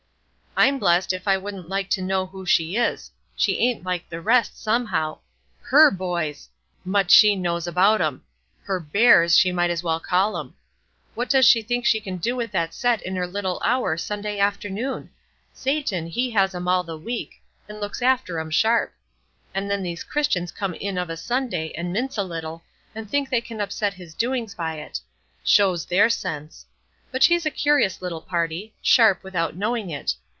"I'm blessed if I wouldn't like to know who she is; she ain't like the rest, somehow. Her boys! Much she knows about 'em! Her bears she might as well call 'em! What does she think she can do with that set in her little hour, Sunday afternoon? Satan, he has 'em all the week, and looks after 'em sharp; and then these Christians come in of a Sunday, and mince a little, and think they can upset his doings by it. Shows their sense! But she's a curious little party; sharp, without knowing it.